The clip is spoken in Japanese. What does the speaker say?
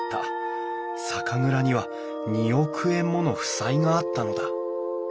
酒蔵には２億円もの負債があったのだ。